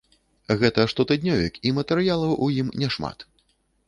Гэта штотыднёвік, і матэрыялаў ў ім няшмат.